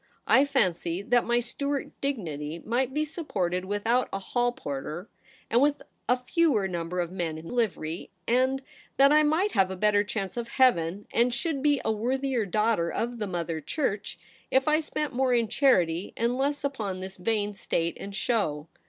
I fancy that my Stuart dignity might be sup THE PRINCESS AT HOME. 171 ported without a hall porter and with a fewer number of men in livery ; and that I might have a better chance of heaven, and should be a worthier daughter of the Mother Church, if I spent more in charity and less upon this vain state and show.